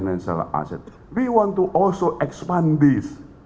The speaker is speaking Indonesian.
kami juga ingin mengembangkan ini